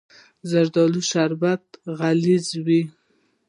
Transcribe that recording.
د زردالو شربت غلیظ وي.